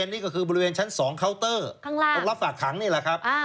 ในชั้น๒คาวเตอร์รับฝากถังนี่แหละครับ